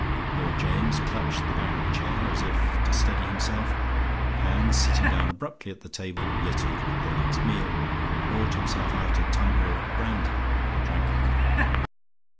Lord James clutched the back of a chair, as if to steady himself, and, sitting down abruptly at the table, littered with the last meal, poured himself out a tumbler of brandy and drank it.